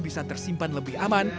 bisa tersimpan lebih aman